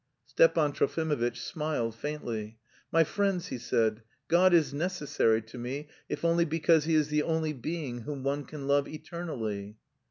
Stepan Trofimovitch smiled faintly. "My friends," he said, "God is necessary to me, if only because He is the only being whom one can love eternally."